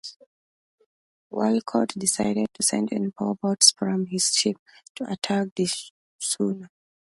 Walcott decided to send in four boats from his ships to attack the schooner.